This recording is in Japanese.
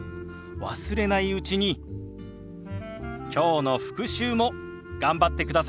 忘れないうちにきょうの復習も頑張ってくださいね。